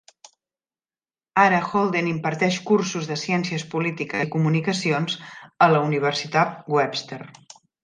Ara Holden imparteix cursos de ciències polítiques i comunicacions a la Universitat Webster.